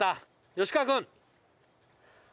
吉川君。